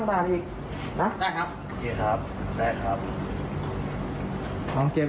ครับครับครับตอนนี้เลยครับจะให้ผมมาอีกรอบเลย